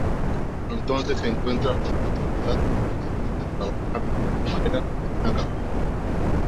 Entonces se encuentra por casualidad a Isabelita trabajando de camarera en una cafetería.